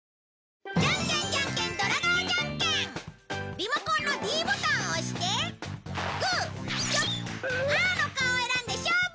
リモコンのｄボタンを押してグーチョキパーの顔を選んで勝負！